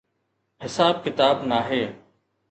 حساب ڪتاب ناهي.